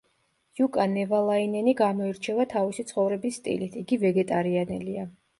იუკა ნევალაინენი გამოირჩევა თავისი ცხოვრების სტილით, იგი ვეგეტარიანელია.